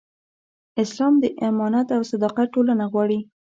اسلام د امانت او صداقت ټولنه غواړي.